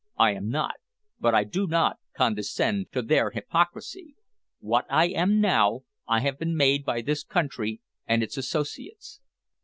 I am not; but I do not condescend to their hypocrisy. What I am now, I have been made by this country and its associates."